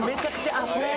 あっこれ。